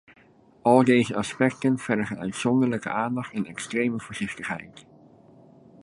Al deze aspecten vergen uitzonderlijke aandacht en extreme voorzichtigheid.